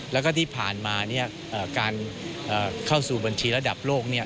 แล้วก็ที่ผ่านมาการเข้าสู่บัญชีระดับโลก